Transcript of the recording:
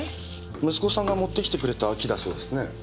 息子さんが持ってきてくれた木だそうですね。